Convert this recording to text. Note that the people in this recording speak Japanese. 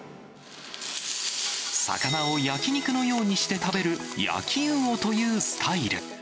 魚を焼き肉のようにして食べる、焼うおというスタイル。